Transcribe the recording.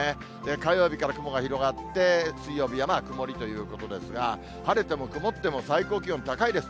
火曜日から雲が広がって、水曜日は曇りということですが、晴れても曇っても、最高気温高いです。